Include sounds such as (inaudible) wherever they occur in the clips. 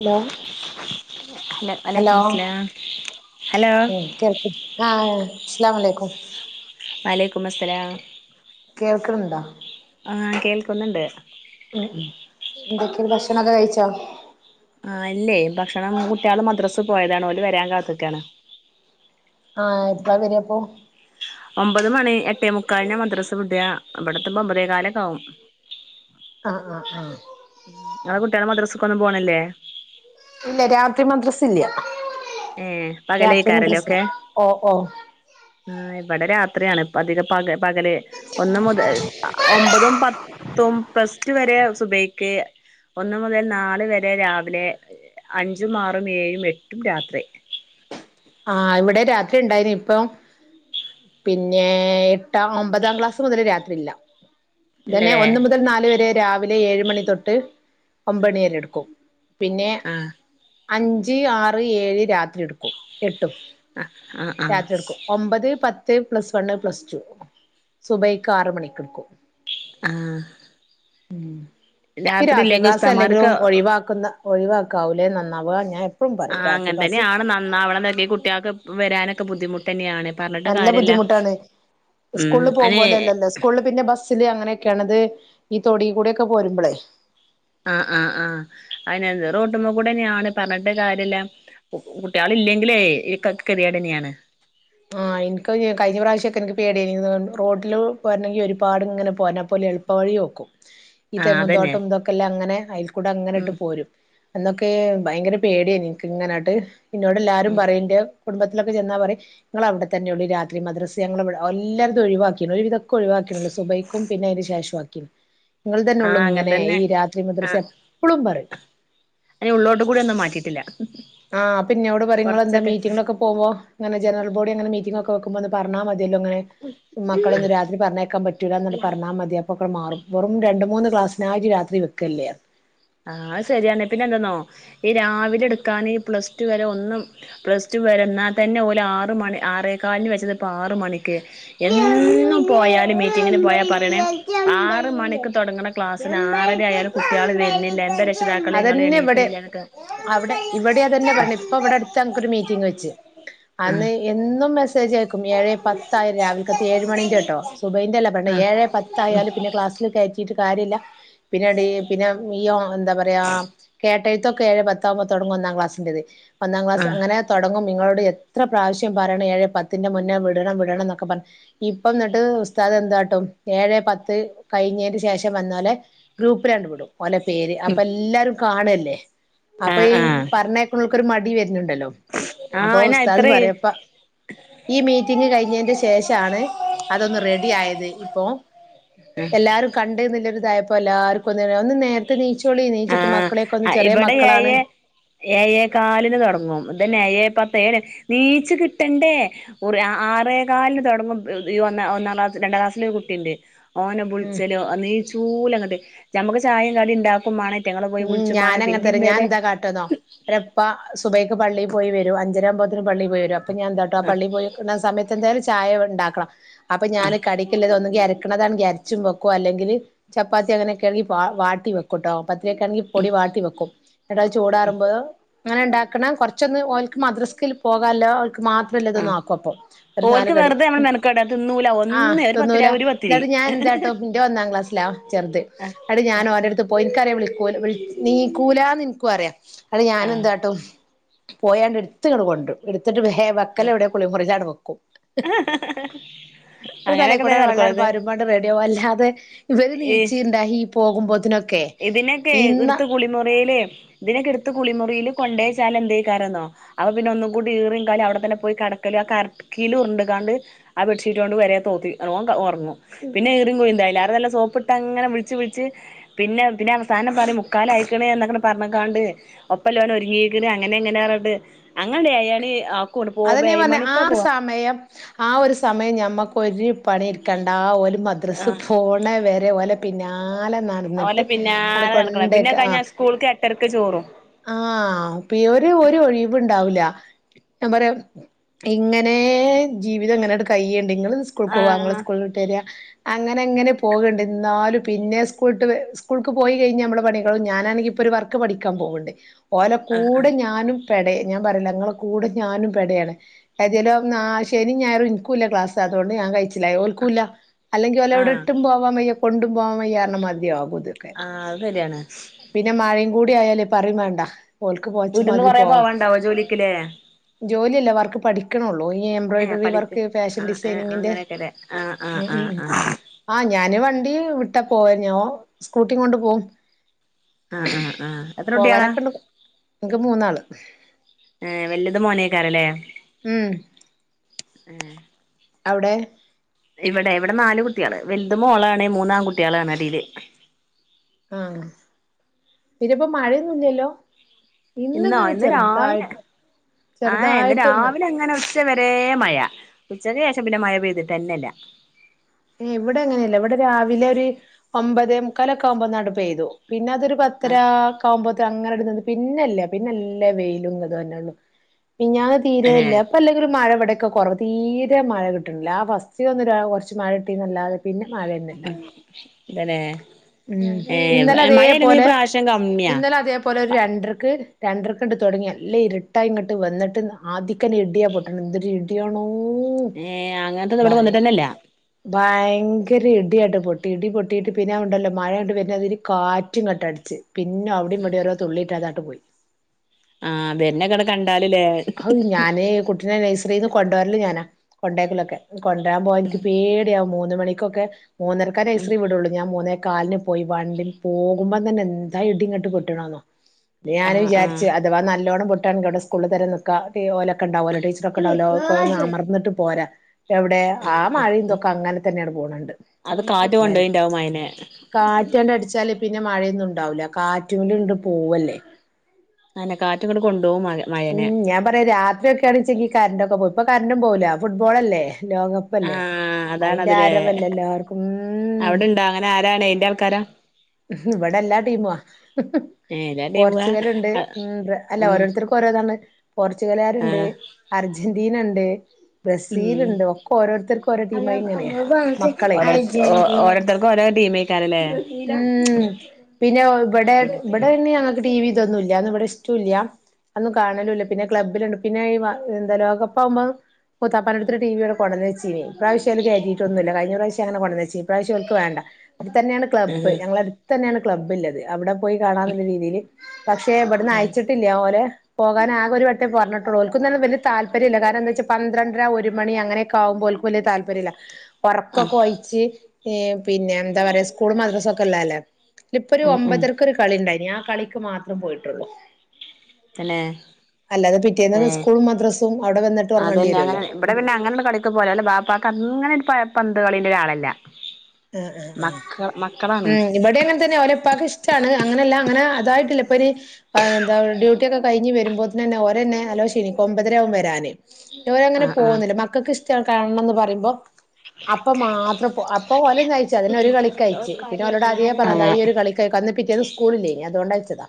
Hello hello hello കേൾക്ക ആഹ് അസ്സലാമു അലൈകും വാ അലൈക്കും ഉസലാം കേൾക്കണ് ണ്ടൊ ആ കേൾക്കുന്നുണ്ട് എന്തൊക്കെയാണ് ഭക്ഷണം ഒക്കെ കഴിച്ചോ? ആ ഇല്ലേ ഭക്ഷണം കുട്ടികള് മദ്രസ് പോയതാണ് ഓല് വരാൻ കാത്തിക്ക. ആഹ് എപ്പളാ വര അപ്പൊ ഒമ്പത് മണി എട്ടേ മുക്കാലിനാ മദ്രസ് വിട്അ ഇബ്ടെത്തുമ്പം ഒമ്പതേ കാലൊക്ക ആവും ആഹ് ആഹ് ആഹ് ങ്ങളെ കുട്ടികള് മദ്രസ്ക്കൊന്നും പോണില്ലേ? ഇല്ല രാത്രി മദ്രസ് ഇല്ല ഏ രാത്രി പകലെക്കാരല്ലേ മദ്രസ ഒക്കെ ഓ ഓ ആഹ് ഇബടെ രാ ത്രി യാണ് പകല് പക പകല് ഒന്ന് മുതല് ഒമ്പതും പത്തും പ്ലസ് റ്റ് വരെ സുബൈക്ക് ഒന്ന് മുതൽ നാല് വരെ രാവ്ലെ അഞ്ചും ആറും ഏഴും എട്ടും രാ ത്രി. ആഹ് ഇവ്ടെ രാത്രി ഉണ്ടായിന്ന് ഇപ്പം പിന്നെ എട്ടാ ഒമ്പതാം ക്ലാസ് മുതൽ രാത്രി ഇല്ല ഇതന്നെ ഇല്ലല്ലേ ഒന്ന് മുതൽ നാല് വരെ രാവിലെ ഏഴ് മണി തൊട്ട് ഒമ്പണിവരെ ട്ക്കും. പിന്നെ ആഹ് അഞ്ച് ആറ് ഏഴ് രാത്രി എട്ക്കും എ ട്ടും ആഹ് ആഹ് ആഹ് രാത്രി എട്ക്കും ഒമ്പത് പത് ത് പ്ലസ് വണ്ണ് പ്ലസ്റ്റു സുബൈക്ക് ആറ് മണിക്ക്ട്ക്കും ആഹ് ഉം ഈ രാത്രി ഇല്ലെങ്കിൽ ക്ലാസ് ഉസ്താമാർക്ക് അല്ലെങ്കിലും ഒഴിവാക്കുന്ന ഒഴിവാക്കാവൂലെ നന്നാവ ഞാൻ എ ആഹ് അങ്ങനെ തന്നെയാണ് നന്നാവ അതല്ലേ കുട്ടിആക്ക് വരാനൊക്കെ ബുദ്ധിമു ട്ടന്നെയാണ് നല്ല ബുദ്ധിമുട്ടാണ് ഉം സ്കൂള്ള് പോകും അയ്ന് പോലെ അല്ലല്ലോ സ്കൂളില് പിന്നെ ബസ്സില് അങ്ങനെയൊക്കെയാണ് ഇത് ഈ തൊടി കൂടൊക്കെ പോരുമ്പളെ ആ ആ ആ അയ്നെല്ലത് റോട്ടുമെക്കൂടെന്നെയാണ് പറഞ്ഞിട്ട് കാര്യല്ല കുട്ട്യാള്ല്ലെങ്കിലേ ഈ ക കെതിയേടെന്നെയാണ് ആ ഇൻക്കയിന് കഴിഞ്ഞ പ്രാവശ്യക്കെൻക്ക് പേടിയേയ്നി റോട്ടില് പോര്നെങ്കി ഒരുപാട് ഇങ്ങനെ പോരണം അപ്പൊ ഓല് എളുപ്പ വഴി ഓക്കും ഈ ആഹ് തെങ്ങും അതന്നെ തോട്ടം ഇതോക്കെ ഇല്ല അങ്ങനെ അയിക്കൂടെ അങ്ങനെ ഇട്ട് ഉം പോരും അന്നൊക്കെ ഭയങ്കര പേടിയേയ്ന്ന് ഇൻക്ക് ഇങ്ങനട്ട് ന്നോട് എല്ലാരും ഉം പറയണ്ട് കുടുംബ നിങ്ങൾ ഒക്കെ ചെന്നാ പറയും നിങ്ങളെ അവിടെ തന്നെ ഉള്ളൂ രാത്രി മദ്രസെ ഞങ്ങടെ ഇവിടെ എല്ലാടത്തും ഒഴിവാക്കിയല്ലോ ഒരുവിധം- ഒഴിവാക്കണൂ സുബയ്ക്കും പിന്നെ അതിന് ശേഷവാക്കി ക്കിം ആ അങ്ങനെ തന്നെ ആ എപ്പളും പറയും അ ഉള്ളോട്ട് കൂടി ഒന്നും മാറ്റിയിട്ടില്ല ആഹ് പിന്നോട്യങ്ങള് എന്താ കൊറച്ചൊക്കെ മീറ്റിങ്ങൊക്കെ പോവോ അങ്ങന ജനറൽ ബോഡി അങ്ങനെ മീറ്റിംഗ് ഒക്കെ പറഞ്ഞാൽ മതി എന്തലും അങ്ങനെ മകളെയൊന്നും രാത്രി പറഞ്ഞേക്കാൻ പറ്റൂ എന്ന പറഞ്ഞാൽ മതി അപ്പൊ അ മാറും വെറും രണ്ടു മൂന്ന് ക്ലാസ്സിനായി രാത്രി വെക്കല്ലേ ആഹത് ശരിയാണ് പിന്നെ എന്താെന്നോ ഈ രാവിലെ എടുക്കാൻ ഈ പ്ലസ് ടു വരെ ഒന്നും പ്ലസ് ടു വരെ എന്നാൽ തന്നെ ഓല ആറ് മണി ആറേകാലിന് വെച്ചതിപ്പ ആറ് മണിക്ക് എന്നും പോയാലും മീറ്റിങ്ങിന് പോയാ പറയണേ ആറ് മണിക്ക് തുടങ്ങണ ക്ലാസ്സിന് ആറര ആയാലും കുട്ടികള് വരണെ ല്ല എന്തര് അതന്നെ ഇവിടെ അവിടെ ഇവിടെ അത തന്നെ പറഞ്ഞു ഇപ്പ ഇവിടെ അടുത്ത് ഞങ്ങക്കൊരു മീറ്റിംഗങ് വെച്ച് ആഹ് അന്ന് എന്നും മെസ്സേജ് അയക്കും ഏഴേ പത്ത ആയും രാവില കത്ത് ഏഴ് മണിന്റെ കേട്ടോ സുബൈൻറ അല്ല പറഞ്ഞ ആഹ് ഏഴേ പത്ത ആയാലും പിന്നെ ക്ലാസ്സിൽ കയറ്റിട്ട് കാര്യല്ല പിന്നെ പിന്നെ ഈയോ എന്താ പറയാ പറയാ കേട്ടഴത്തോക്ക ഏഴെ പത്താകുമ്പോ തുടങ്ങും ഒന്നാ ക്ലാസ്സിന്റത് ഒന്നാം ക്ലാസ് ആഹ് അങ്ങെനെ തൊടങ്ങും നിങ്ങളോട് എത്ര പ്രാവശ്യം പറയണം ഏഴേ പത്തിന്റെ മുന്നേ വിടണം വിടണം എന്നൊക്കെ പറ ഇപ്പം എന്നിട്ട് ഉസ്താദ എന്താട്ടും ഏഴ് പത്ത് കഴിഞ്ഞതിന് ശേഷം വന്നലെ ഗ്രൂപ്പ് രണ്ട് വിടും ഓലെ പേര് ഉം എല്ലാരും കാണല്ലേ അപ്പൊ ആഹ് ഈ ആഹ് പറഞ്ഞേക്ക കൊരു മടി വ ണ്ടല്ലോ ആഹ് അപ്പോ അയിന് ഉസ്താദ് എത്ര പറയപ്പ ഈ മീറ്റിംഗ് കഴിഞ്ഞതിന്റെ ശേഷാണ് അതൊന്ന് റെഡി ആയത് ഇപ്പോ ആഹ് എല്ലാരും കണ്ടരു അതായപ്പോല്ലാർക്കും ഒന്ന് നേരത്തെ ണീ ആ ഇവിടെ ഏ ഏ എ കാലിന് തുടങ്ങുംതന്നെ ഏയെ പത്ത് ഏ നീച്ച കിട്ടണ്ടേ ആറേ കാലിന് തുടങ്ങും ഈ ഒ ഒന്നാം ക്ലാ രണ്ടാം ക്ലാസ്സില് കുട്ടിണ്ട് ഓനെ ഉം വിളിച്ചലോ നീച്ചൂലങ്ങട്ട് നമുക്ക് ചായം കടി ഇണ്ടാവ മണ ഉം ഞാനങ്ങനെ തന്നെ ഞാൻ എന്താ കാട്ടന്നോ ഒരപ്പ സുബൈ പള്ളയി പോയി വരും അഞ്ചരാമ്പേത്തേന് പള്ളിയി പോയി വരും അ അപ്പ ഞാൻന്താട്ട ആ ആഹ് പള്ളി പോയി സമത്ത് എന്തായാലും ചായ ഉണ്ടാക്കണം അപ്പൊ ആഹ് ഞാന് കടിക്കില്ലത് ഒന്നുകിര വെക്കണതാെങ്കിൽ അരച്ചും വെക്കോം അല്ലെങ്കില് ചപ്പാത്തി അങ്ങനെൊക്കെണെങ്കിൽ വാട്ടി വെക്കോട്ടോ ക്കെ ആണങ്കി പൊടി ഉം വാട്ടി വെക്കും എന്നിട്ടത് ചൂടാറുമ്പോ അത് അങ്ങനെ ഉണ്ടാക്കണം കൊറച്ചൊന്ന് ഓക്ക് മദ്രസ്കില് പോകാല്ലോ മാത്രല്ലന്ന ആഹ് ആക്കപ്പം ഒര് നാല് ഓൽക്ക് കടി വെറുതെ നമ്മള് മെനക്കടാ തിന്നൂല ആ ഒന്ന് ഒരു പത്തിരി തിന്നൂല ഒരു പത്തിരി എന്നിട്ടും ഞാൻ എന്താട്ടോ ഒന്നാം ക്ലാസില ചെർത് അ ആഹ് എന്നിട്ട് ഞാൻ ഒരേടുത്ത് പോയി (unintelligible) നീക്കൂലാന്ന് ഇൻക്കും അറിയ അടെ ഞാനും ആഹ് എന്താട്ടും പോയാണ്ട് എടുത്തിങ്ങിട് കൊൺട്രും എന്നട്ട്‌വെഹെ വെക്കലെവിടെ കുളിമുറി അവടെവെക്കും ഒരു അങ്ങനെയൊക്കെ തലക്കൂടെ തന്നെ നടക്കുള്ളൂ ഇത് (unintelligible) റെഡിയാവും അല്ലാതെ. ഇവര് നീച്ചി ഇണ്ടായി പോകുമ്പോ (unintelligible) ഇതിനെക്കെ ഇടുത്ത് കുളിമുറിലെ ഇതിനൊക്കെ ഇടുത്ത് കുളിമുറിയിൽ കൊണ്ട വെച്ചാൽ എന്തെയ്ക്കാരുംന്നോ അപ്പൊ പിന്നെ ഒന്നും കൂടി ഈറിയും കായാലും അവിടെ തന്നെ പോയി കടക്കല്ആ കറക്കിൽ ഉരണ്ടുകാണ്ട് ആ ബെഡ്ഷീറ്റ് കൊണ്ട് വരെ തോർത്തി ഓൻഉറങ്ങു പിന്നെ ഈറും കൊയ് ന്താല നല്ല സോപ്പി ട്ട് അങ്ങനെ വിളിച്ച് വിളിച്ച് പിന്നെ പിന്നെ അവസാനം പറയും മുക്കാല് ആയെക്കണ് എന്നൊക്കെ പറഞ്ഞക്കാണ്ട് ഒപ്പം ലോന ഒരുങ്ങിയിക്കണ അങ്ങനെ എങ്ങനെയാറണ്ട് അങ്ങനങ്ങ് ആയആയാണ് അതെന്നെ ഞാൻ പറ ഞ്ഞെ ആ സമയം ആ ഒരു സമയം ഞമ്മക് ഒര് പണിടുക്കണ്ട ഓല് മദ്രസ് പോണ വരെ ഓലെ പിന്നാലെ ഒലെ നടന്നിട്ട് ആണ്ട് പിന്നാലെ നടക്കണം പിന്നെ കൊണ്ടേക്ക ആഹ് കഴിഞ്ഞ സ്കൂൾക്ക് എട്ടരക്ക് ചോറും. ആഹ് ഇപ്പ ഈ ഒരു ഒരു ഒഴിവുണ്ടാവില്ല സത്യം പറയാ ഇങ്ങനെ ജീവിതം ഇങ്ങനെട് കഴിയാണ് ഇങ്ങള്സ്കൂൾ ക് പോവാ ഞങ്ങള് ആഹ് സ്കൂൾ വിട്ട് വര്യ അങ്ങനെ അങ്ങനെ പോകണ്ട് ഇന്നാലും പിന്നെ സ്കൂൾട്ട് സ്കൂൾക്ക് പോയി കഴിഞ്ഞാ ഞമ്മള പണികളും ഞാനാണെങ്കിൽ ഇപ്പോൾ ഒരു വർക്ക് പഠിക്കാൻ പോകണ്ട്. (inaudible) ഓലെ ആഹ് കൂടെ ആഹ് ഞാനും പെടെ യാണ് ഞാൻ പറയില്ല ഞങ്ങളെ കൂടെ ഞാനും പെടയാണ് ഏതിലും ശനി ഞായറും ഇനിക്കൂല്ലേ ക്ലാസ് അതുകൊണ്ട് ഞാൻ കഴിച്ച ഓൽക്കൂല്ല അല്ലെങ്കിൽ ഓലെ ഇവിടെ ആഹ് ഇട്ടും പോവാൻ വയ കൊണ്ടുപോവാൻ വയ്യാർന്നമതിയാവും. ആഹ് അത് ശരിയാണ് പിന്നെ മഴയും. കൂടിയായാലേ പറയും വേണ്ട ഓൽക്ക് പോച്ച വീട്ടീന്ന് മാതിരി കൊറേ പോവാണ്ടാവോ ജോലിക്ക്ല്ലേ ജോലി ഇല്ല വർക്ക് പഠിക്ക് ണൊള്ളൂ ഏഹ് എംബ്രോയ്ഡറി പഠിക്ക് വർക്ക് ഫാഷൻ ആഹ് ഏഹ് ഡിസൈനിന്റെ അങ്ങനെയൊക്കെല്ലേ ആഹ് ആഹ് ആഹ് ഉം ആഹ് ആ ഞാന് വ ടീവിട്ട പോവാഞ്ഞോ സ്കൂട്ടി കൊണ്ട് പോവും ആഹ് ആഹ് ആഹ് എത്ര കുട്ടികളാ പോവാനൊക്കെ ഉണ്ട് ഇനിക്ക് മൂന്നാള്. അ ഏ വല്യാത് മോനേക്കാറല്ലേ ഉം ആ അവിടെ ഇവിടെ ഇവിടെ നാല് കുട്ടികള് വലുത മോളാണ് മൂന്നാംകുട്ടികള ആണ അടിയില് ആഹ പിന്നപ്പൊ മഴയൊന്നുംല്ലല്ലോ ഇന്നോ ഇന്നിങ്ങനെ ഇന്ന് രാവിലെ ചെറുതായിട്ട് ആഹ് ഇന്ന് ചെറുതായിട്ട് ഇങ്ങനെ രാവിലെ അങ്ങനെ ഉച്ച വരെ മഴ ഉച്ചക്ക് ശേഷം പിന്നെ മഴ പെയ്തിട്ട് തന്നെയല്ല ഏ ഇവിടെ എങ്ങനെയല്ല ഇവിടെ രാവിലെ ഒരു ഒമ്പതേ മുക്കാല ഒക്കെ ആവുമ്പോ നാട്ട പ്തു പിന്നെ അതൊരു ആഹ് പത്തരക്കാവുമ്പോത്ത അങ്ങനെ പിന്നല്ല പിന്നെല്ല വെയിലും അത് തന്നെയള്ളു പിന്നെ അത് തന്നെ തീരയല്ലേ അപ്പ അല്ലെങ്കിൽ ഒരു മഴ അവിടെൊക്കെ കുറേ തീരെ മഴ കിട്ടില്ല ആ ഫസ്റ്റ് ട്ടി നല്ലത ഉം ഇന്നെ ഉം ഇന്നലെ അതേപോലെ പ്രാവശ്യം കമ്മിയാ ഇന്നലെ അതേപോലെ ഒരു രണ്ടരക്ക് രണ്ടരക്കണ്ട് തുടങ്ങിയ അല്ലേ ഇരുട്ടായി ഇങ്ങോട്ട് വന്നിട്ട് ആദ്യിക്കനെ ഇഡിയ പോട്ടണം എന്തൊരു ഇഡിയാണോ ഏ അങ്ങനത്തന്ന ഇവിടെ വന്നിട്ടന്നല്ല ഭയങ്കര ഇടിയട്ട് പൊട്ടി ഇടി പൊട്ടിയിട്ട് പിന്നെ ഉണ്ടല്ലോ മഴ കണ്ട് വരതിരു കാറ്റും കട്ട അടച്ച് പിന്നെ അവിടെയും ഉം മടി ഓരോ തുള്ളിയിട്ടാതാട്ട് പോയി ആഹ് പിന്നെക്കട കണ്ട ഞാനാന് കുട്ടിനെ നഴ്സറിൽന്ന് കൊണ്ടുപരല്ലോ ഞാനാ കൊണ്ടേക്കലൊക്കെ കൊണ്ടരാൻ പോവാ എനിക്ക് പേടിയൻ മൂന്ന മന്ന മണിക്കൊക്കെ മൂന്നരക്ക ഉം സീ വിടുള്ളൂ ഞൻൂന്നേ കാലിന് പോയി വണ്ടി പോകുമ്പോ തന്നെ എന്താ ഇട്ട ഇങ്ങോട്ട് കെട്ടണോന്നോ ഞാന് ആഹ് വിചാരിച്ചു ആഹ് അഥവാ നല്ലോണ പൊട്ട ടെകൾ തരംും ഓല ഒക്കണ്ടാവുമോ ടീച്ചറ ഒക്കെണ്ടാവല്ലോ ഒക്ക ഒന്ന് അമർന്നട്ട് പോരാ എവിടെ ആ മഴന്തൊക്കെ അങ്ങനെ തന്നെയാണ് പോണണ്ട് അത് കാറ്റ് കൊണ്ടോയിണ്ടാവും അയനെ കാറ്റാണ്ട അടിച്ചാല് പിെ മഴയൊന്നുംണ്ടാവൂില്ല കാറ്റല ഇണ്ട് പോവല്ലേ ആയെന്നെ കാറ്റും ങ്ങട് കൊണ്ടുപോവും മ- മയനെ ഉം ഞാൻ പറയാ രാത്രിയൊക്കെയാണ് ചെങ്കി കറന്റും കറന്റോക്കെ പോയി ഇപ്പ കറന്റും പോവൂല്ല ഫുട്ബോൾ അല്ലേ ആ അതാണത് ലേ ആരവല്ലേ എല്ലാർക്കും ഉം അവ്ടെണ്ടോ അങ്ങനെ ആരാണ് എയന്റെ ആൾക്കാരാ ഇവിടെ എല്ലാ ടീമും ആ ഏഹ് എല്ലാ ടീമുകാ പോർച്ചുഗൽ ഇണ്ട് ഉ അല്ല ഉം ഓരോരുത്തർക്കും ഓരോതാണ് പോർച്ചുഗലാര്ണ്ട് ആഹ് അർജന്റ ദീനണ്ട് ഊം ടീമായി ഓരോ ഇങ്ങനെയാ മക്കളെ ഓരോരുത്തർക്കും ഓരോ ടീമേക്കാരലേ ഉം പിന്നെ ഇബടെ ഇബടെ പിന്നെ ഞങ്ങക്ക് ടി വി ഇതൊന്നും ല്ലാന്നു ഇവിടെ ഇഷ്ടുല്ല അയൊന്നും കാണലുംല്ല പിന്നെ ക്ലബ്ബിലുണ്ട് പിന്നെ ഈ എന്താ ലോകപ്പാകുമ്പോ മൂത്താപ്പന്റോട്ത്ത ടി വി ഇവ്ടെ കൊടെന്നിച്ചീനി ഇപ്രാവശ്യം കേറ്റീട്ടോന്നുല്ല കയിഞ്ഞ പ്രാവശം അങ്ങനെ കൊടെന്നേച്ചീനി ഇ പ്രാവശ്യോൽക്ക് വേണ്ട ഇതന്നെ ക്ലബ് ആഹ് ഞങ്ങള അടുത്തന്നെയാണ് ക്ലബ്ബില്ലത് അവിടെ പോയി കാണാന്നുള്ള രീതിയിൽ പക്ഷെ ഇവിട്ന്ന് അയച്ചിട്ടില്ല ഓന് പോകാനാകെ ഒരു വട്ടം പറഞ്ഞട്ടുള്ളൂ ഓനൊക്കൊന്നും വല്യയ താല്പര്യല്ല കാരണംന്താ വെച്ചാ പന്ത്രണ്ടര ഒരുമണി അങ്ങനൊക്ക ആവുമ്പോ ഓൽക്ക് വല്യ താല്പര്യമില്ല ഒറക്കൊക്കെ ആഹ് ഒഴിച്ച് പിന്നെ എന്താ പറയാ സ് - മദ്രസൊക്കെല്ലല്ലേ ഇപ്പോരു ഉം ഉം ഒമ്പതരക്ക് ഒരു കളിണ്ട് ണ്ടായിനി ആ കളിക്ക് മാത്രം പോയിട്ടുള്ളൂ തന്നെ അല്ലാതെ ഏ പിറ്റേന്ന് സ്കൂളും മദ്രസും അവിടെ വന്നിട്ട് ഉറങ്ങേണ്ടി അതെന്നെ വരുമല്ലോ അങ്ങനെ ഇവിടെ പിന്നെ അങ്ങനുള്ള കളിക്ക് പോയാലും ബാപ്പ അഗ്ങ്ങനെ ഒരു പ പന്ത് കളിന്റെ ഒരാളല്ല ഹ്‌ഹ് മക്ക മക്കളാണ് ഹ് ഇവിടെ അങ്ങനെ തന്നെ ഓലെപ്പാക്ക് ഇഷ്ടമാണ് അങ്ങനെയല്ല അങ്ങനെ അതായിട്ടില്ല ഇപ്പൊ ഇനി എന്താ ഡ്യൂട്ടിയൊക്കെ കഴിഞ്ഞു വരുമ്പോത്ത്നെന്നെ ഓരേന്നെ നല്ലോം ക്ഷീണിക്കും ഒമ്പതരാവും വരാന് ഓരങ്ങനെ ആഹ് ആഹ് പോവുന്നില്ല മക്കൾക്ക് ഇഷ്‌ റ്റ കാണണംന്ന് പറിയുമ്പോ അപ്പം മാത്രം (unintelligible) ഓലെന്നെ അയച്ചു അതിനൊരു രു കളിക്ക് അയച്ച് പിന്നെ ഓലോട് അതേ പറഞ്ഞ ത ഈ ഒരു കളിക്ക് അയക്കാംന്ന് പിറ്റേന്ന് സ്കൂളില്ലേനി അതുകൊണ്ട അയച്ചതാ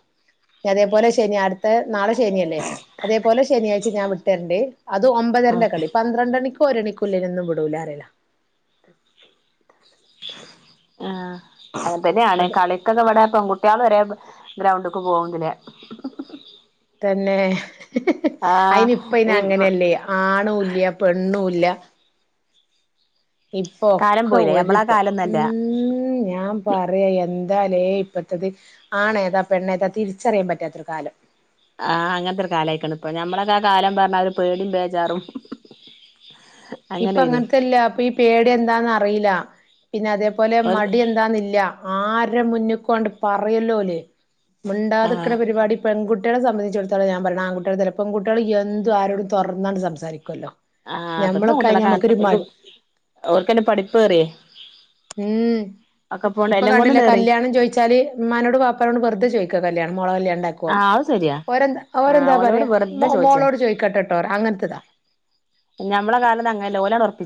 അതേപോലെ ശനി അടുത്ത നാളെ ശനിയല്ലേ അതേപോലെ ശനിയാഴ്ച ഞാൻ വിട്ടരണ്ട് അത് ഉം ഒമ്പതരന്റെ കളി പന്ത്രണ്ട് മണിക്ക് ഒരണിക്ക്ല്ലേനൊന്നും വിടൂലാറിയല ആ അ തന്നെയാണ് അത് കളിക്കൊക്കെ ഇവിടെ പെൺകുട്ടിയാള്‌ വരെ ഗ്രൗണ്ട്ക്ക് പോവ്ണ്ടലെ തന്നെ അയിന് ഇപ്പയ്ന് ഈ അങ്ങനെയല്ലേ ആണൂല്യ പെണ്ണുല്ല ഇപ്പൊ കാലം ഒക്കെ പോയില്ലേ നമ്മളെ ഒരുപ്പോ കാലൊന്നല്ല ഉം ഞാൻ പറയാ എ എന്താലേ ഇപ്പത്തത് ആണേതാ പെണ്ണേതാ തിരിച്ചറിയാൻ പറ്റാത്തൊരു കാലം ആ അങ്ങൻത്തെ ഒരു കാലമായി ക്ക്ണ് ഇപ്പൊ ഞമ്മളൊക്കെ ആ കാലം പറഞ്ഞാല് ഒര് പേടിയും ബേജാറും ഇപ്പ അങ്ങനെനി അങ്ങനത്തെല്ല അപ്പൊ ഈ പേടി എന്താന്നറീല്ല പിന്നെ അതെ പ്പോലെ ഓൽക്ക് മടി എന്താന്നില്ല ആരെ മുന്നിക്കണ്ട് പറയല്ലോലേ ആഹ് മുണ്ടാതക്ക്ണ പരിപാടി പെൺകുട്ടി കുട്ടോളെ സംബന്ധിച്ചിത്തോം ഞാൻ പറി ണത്. ആങ്കുട്ട്യേൾ തര പെൺ കുട്ട്യോള് എന്ത് ആരോടും തൊർ ന്നാണ്ട് സംസാരിക്കും. ക്കല്ലോ ആഹ് ഇപ്പത്തെ ഞമ്മളൊ ഞ്ഞ പെൺകുട്ടികളൊക്കെ അങ്ങനെ നമുക്കരുമ്പാട് ഓൽക്ക് ഓൽക്കന്നെ പഠിപ്പേറിയേ ഉ ഒക്കെപ്പോണ്ട് ഇപ്പൊ എല്ലാം കണ്ടില്ല കൊണ്ടുണ്ടേറി കല്യാണം ചോദിച്ചാല് ഉമ്മാനോട് വാപ്പനോട് വെറുതെ ചോദിച്ച ക്ക് കല്ല്യാണം മോളെ കല്ല്യാണം ന്താക്കൊന്ന് ആഹ് അത് ശരിയാ ഓരന്താ ആഹ് ഓരന്താ ഓലോട് പറയാ മൊ വെറുതെ ചോദിച്ചാ മോളോട് ചോയ്ക്കട്ടട്ടോ റ്യ അങ്ങനത്തതാ. (unintelligible) ഓല ഉറ (unintelligible)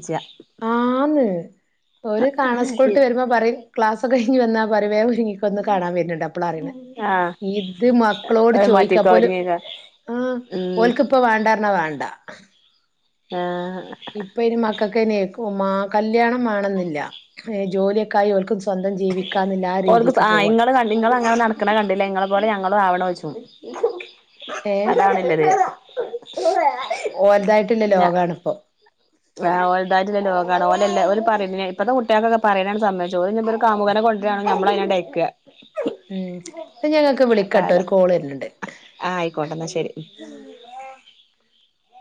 ആന്ന് പ്പൊര് കാണാ സ്കൂളിട്ട് വരുമ്പോ പറയും ക്ലാസ് കഴഞ്ഞ് വന്നാപറയും പറവ ങ്ങിക്കൊന്ന് കാണാൻ വരുന്നുണ്ട്. അപ്പളാ അറിണ. ആഹ് ഇത് മക്കളോട് അത് ചോയിക്കാ മാറ്റിക്കോ അപ്പോല് ഒരുങ്ങിക്ക ആ ഉം ഓല് ഇപ്പ വേണ്ട പറ്ഞ്ഞാ വേണ്ട ആഹ് ഇപ്പൊ ന് മക്കക്കെന് കല്യാണമാണെന്നില്ല ജോലിയൊക്കെ ആയി ഓല്ക്ക് ഓൾക്ക് ആങ്ങള് നിങ്ങ അങ്ങനെ നടക്കണ കണ്ടില്ല ഇങ്ങളെ പോലെ ഞങ്ങളും ആവണോ ചോദി ഏഹ് അതണല്ല ഓൽതായിട്ടുള്ള ഞാ ലോകാണിപ്പോ ആ ഓൽതായിട്ട്ള്ള ലോകാണ് ഓലല്ലാ ഓല്പറിം പി ഇപ്പത്തെ കുട്ടൾക്കെ പറയാനാണ് സമ്മയിച്ച ഒരു കാമുകന കൊണ്ടരാണ് നമ്മലയിനങ്ങാട്ടയ്ക്ക ഉം ഞ ങ്ങൾക്ക് ആ വിളിക്കട്ടോ ഒരു കാലം കോള് വര്ന്ണ്ട് ആഹ് ആയിക്കോട്ടെ (unintelligible)